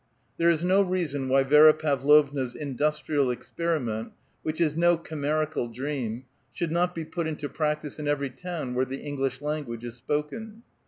There is no reason why Vi^ra Pavlovna's industrial experiment, which is no chimerical dream, should not be put into practice in every town where the English language is spoken.